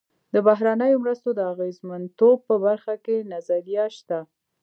د بهرنیو مرستو د اغېزمنتوب په برخه کې نظریه شته.